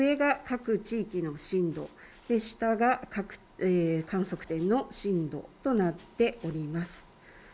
上が各地域の震度、下が観測点の震度となっております。